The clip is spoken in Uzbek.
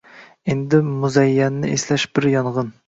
endi muzayyanni eslash bir yong’in